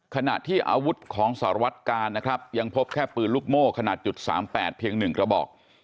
ขณะที่อาวุธของสารวัตกาลนะครับยังพบแค่ปืนลูกโม่ขนาด๓๘เพียง๑กระบอก